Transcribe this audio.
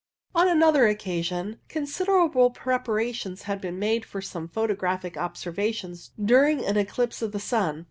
On another occasion considerable preparations had been made for some photographic observations during an eclipse of the sun.